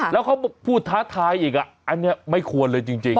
แล้วเขาพูดท้าทายอีกอันนี้ไม่ควรเลยจริง